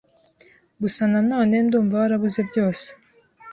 gusa nanone ndumva warabuze byose,